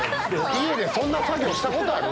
家でそんな作業したことある？